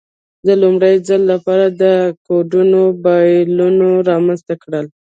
د لومړي ځل لپاره دا کوډونه بابلیانو رامنځته کړل.